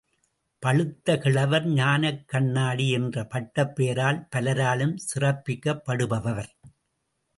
பழுத்த கிழவர், ஞானக்கண்ணாடி என்ற பட்டப் பெயரால் பலராலும் சிறப்பிக்கப்படுபவர்.